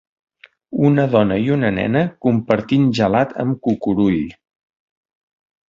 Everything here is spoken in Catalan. Una dona i una nena compartint gelat amb cucurull.